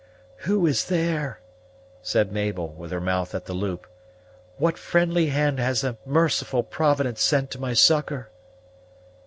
"Who is there?" said Mabel, with her mouth at the loop. "What friendly hand has a merciful Providence sent to my succor?"